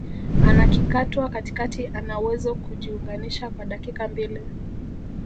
anakikatwa katikati anawezo kujiunganisha kwa dakika mbili